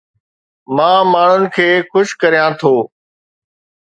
مان ماڻهن کي خوش ڪريان ٿو